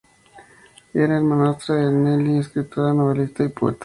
Era hermanastra de Nellie, escritora, novelista, y poeta.